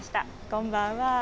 こんばんは。